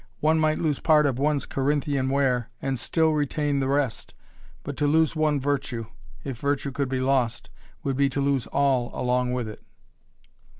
One might lose part of one's Corinthian ware and still retain the rest, but to lose one virtue if virtue could be lost would be to lose all along with it.